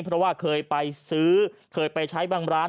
เพราะว่าเคยไปซื้อเคยไปใช้บางร้าน